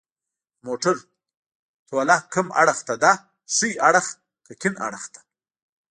د موټر توله کوم اړخ ته ده ښي اړخ که کیڼ اړخ ته